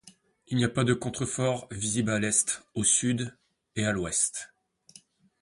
Il n'y a pas de contreforts visibles à l'est, au sud et à l'ouest.